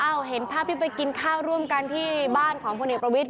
เห็นภาพที่ไปกินข้าวร่วมกันที่บ้านของพลเอกประวิทย